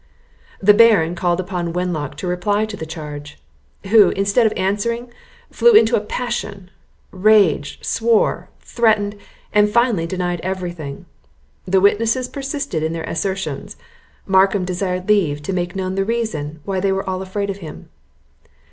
The Baron called upon Wenlock to reply to the charge; who, instead of answering, flew into a passion, raged, swore, threatened, and finally denied every thing. The witnesses persisted in their assertions. Markham desired leave to make known the reason why they were all afraid of him.